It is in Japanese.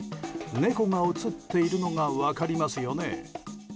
猫が写っているのが分かりますよね。